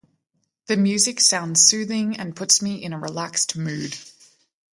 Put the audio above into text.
The music sounds soothing and puts me in a relaxed mood.